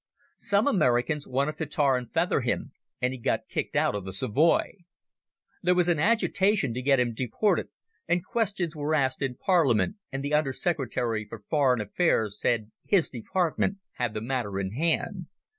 Some Americans wanted to tar and feather him, and he got kicked out of the Savoy. There was an agitation to get him deported, and questions were asked in Parliament, and the Under Secretary for Foreign Affairs said his department had the matter in hand.